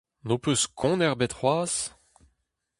N'ho peus kont ebet c'hoazh ?